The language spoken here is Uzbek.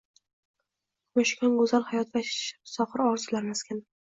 Kumushkon – go‘zal hayot va sohir orzular maskani